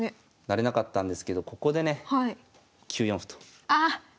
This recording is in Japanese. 成れなかったんですけどここでね９四歩と。